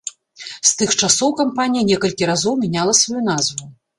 З тых часоў кампанія некалькі разоў мяняла сваю назву.